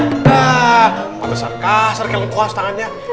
ah apa keserka serkelem kuas tangannya